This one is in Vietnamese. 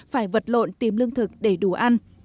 phải vật lộn tìm lương thực để đủ ăn